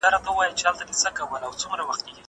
زه اوس کتابونه لوستل کوم!!